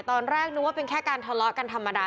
ตอนแรกนึกว่าเป็นแค่การทะเลาะกันธรรมดา